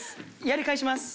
やり返します。